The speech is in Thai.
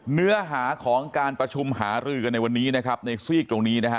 เนื้อหาของการประชุมหารือกันในวันนี้นะครับในซีกตรงนี้นะฮะ